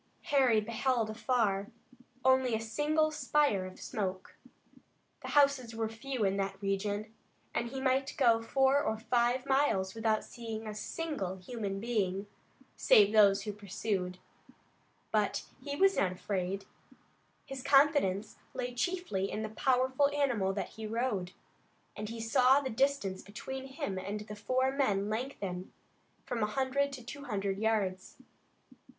Harry beheld afar only a single spire of smoke. The houses were few in that region, and he might go four or five miles without seeing a single human being, save those who pursued. But he was not afraid. His confidence lay chiefly in the powerful animal that he rode, and he saw the distance between him and the four men lengthen from a hundred to two hundred yards.